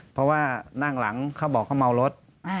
เพราะว่านั่งหลังเขาบอกเขาเมารถ